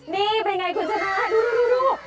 นี่เป็นอย่างไรคุณชนะดู